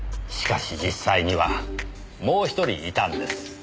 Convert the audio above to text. しかし実際にはもう１人いたんです。